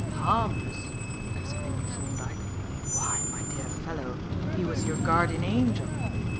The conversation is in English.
"Harmless!" exclaimed Thorndyke. "Why, my dear fellow, he was your guardian angel.